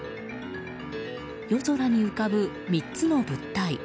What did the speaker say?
夜空に浮かぶ３つの物体。